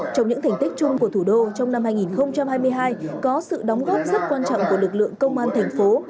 trong những thành tích chung của thủ đô trong năm hai nghìn hai mươi hai có sự đóng góp rất quan trọng của lực lượng công an thành phố